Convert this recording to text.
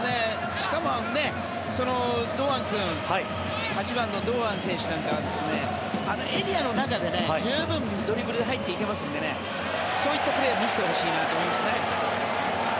しかも８番の堂安選手なんかはエリアの中で十分ドリブルで入っていけますのでそういったプレーを見せてほしいなと思いますね。